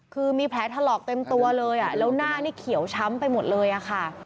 คือมีแผลถลอกเต็มตัวเลยแล้วหน้านี่เขียวช้ำไปหมดเลยอะค่ะ